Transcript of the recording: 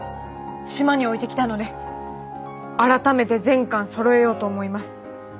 島に置いてきたので改めて全巻そろえようと思います。